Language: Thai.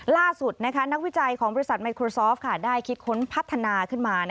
ล่าสุดนักวิจัยของบริษัทไมโครซอฟได้คิดค้นพัฒนาขึ้นมา